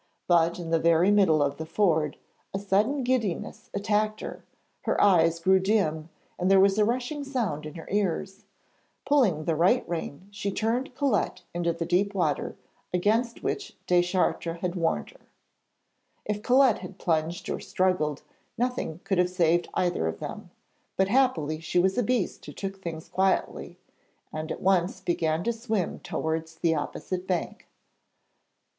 But in the very middle of the ford a sudden giddiness attacked her: her eyes grew dim, and there was a rushing sound in her ears. Pulling the right rein she turned Colette into the deep water, against which Deschartres had warned her. If Colette had plunged or struggled, nothing could have saved either of them, but happily she was a beast who took things quietly, and at once began to swim towards the opposite bank.